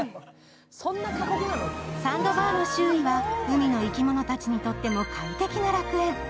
サンドバーの周囲は海の生き物たちにとっても快適な楽園。